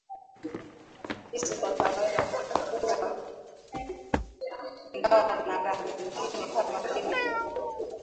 Hizi kwa kawaida huwa nyekundu ingawa kuna rangi nyingine kama vile bluu